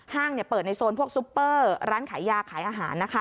เปิดในโซนพวกซุปเปอร์ร้านขายยาขายอาหารนะคะ